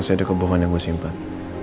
masih ada kebohongan yang gue simpat